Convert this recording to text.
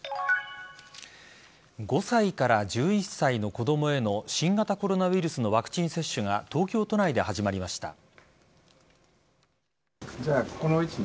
５歳から１１歳の子供への新型コロナウイルスのワクチン接種が東京都内で始まりました。